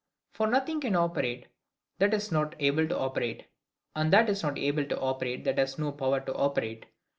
For nothing can operate that is not able to operate; and that is not able to operate that has no power to operate.